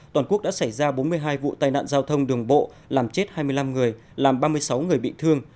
toàn quốc đã xảy ra bốn mươi hai vụ tai nạn giao thông đường bộ làm chết hai mươi năm người làm ba mươi sáu người bị thương